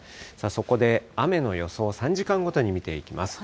そこで雨の予想、３時間ごとに見ていきます。